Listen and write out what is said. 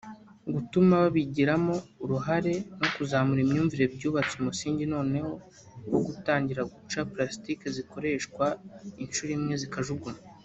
Gutuma babigiramo uruhare no kuzamura imyumvire byubatse umusingi noneho wo gutangira guca plastique zikoreshwa inshuro imwe zikajugunywa